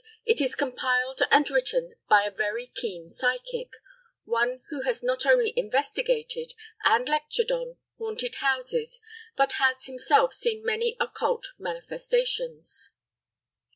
it is compiled and written by a very keen psychic one who has not only investigated (and lectured on) haunted houses, but has himself seen many occult manifestations.